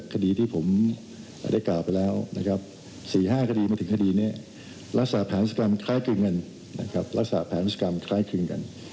๔๕คดีมาถึงคดีนี้รักษาแผนธุรกรรมคล้ายกัน